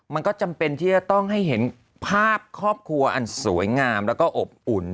มันก็จำเป็นที่จะต้องให้เห็นภาพครอบครัวอันสวยงามแล้วก็อบอุ่น